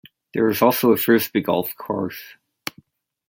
There is also a Frisbee golf course.